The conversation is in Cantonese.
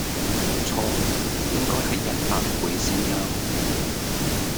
錯應該係一百倍先岩